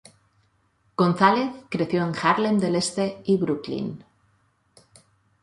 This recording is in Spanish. González creció en Harlem del Este y Brooklyn.